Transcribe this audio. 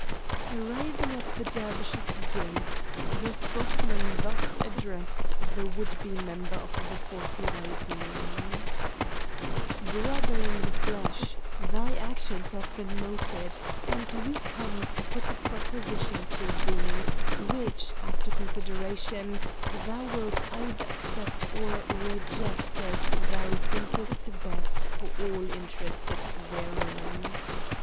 Arriving at the Dervish's gate, the spokesman thus addressed the would be member of the Forty Wise Men: "Brother in the flesh, thy actions have been noted, and we come to put a proposition to thee, which, after consideration, thou wilt either accept or reject as thou thinkest best for all interested therein.